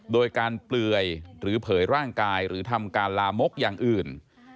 โดยการเปลือยหรือเผยร่างกายหรือทำการลามกอย่างอื่น